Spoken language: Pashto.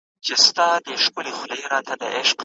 دا کیسه د افغان مظلومو نجونو د ماتو هیلو یو ریښتونی انځور دی.